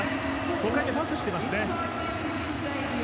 他にパスしていますね。